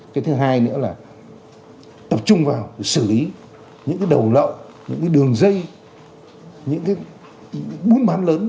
cái thứ hai nữa là tập trung vào xử lý những cái đầu lậu những cái đường dây những cái bún mám lớn